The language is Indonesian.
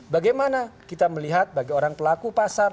bagaimana kita melihat bagi orang pelaku pasar